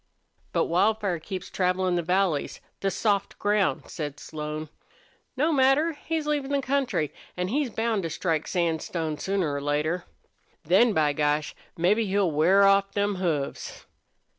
"But Wildfire keeps travelin' the valleys the soft ground," said Slone. "No matter. He's leavin' the country, an' he's bound to strike sandstone sooner or later. Then, by gosh! mebbe he'll wear off them hoofs."